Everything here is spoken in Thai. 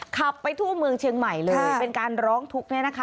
ขับไปทั่วเมืองเชียงใหม่เลยเป็นการร้องทุกข์เนี่ยนะคะ